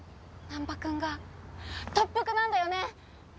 難破君が特服なんだよね？